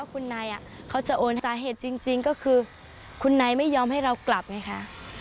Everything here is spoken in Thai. คุณนายเขาจะโอนสาเหตุจริงก็คือคุณนายไม่ยอมให้เรากลับไงคะ